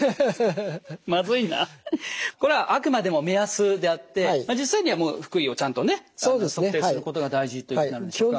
これはあくまでも目安であって実際には腹囲をちゃんとね測定することが大事っていうことになるんでしょうか。